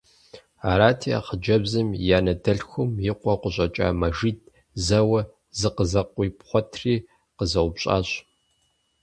Арати, а хъыджэбзым и анэ дэлъхум и къуэу къыщӀэкӀа Мэжид зэуэ зыкъызэкъуипхъуэтри къызэупщӀащ.